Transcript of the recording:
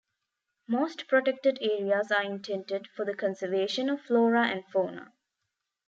Most protected areas are intended for the conservation of flora and fauna.